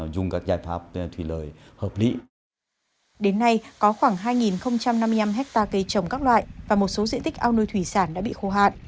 đến nay có khoảng hai năm mươi năm hectare cây trồng các loại và một số diện tích ao nuôi thủy sản đã bị khô hạn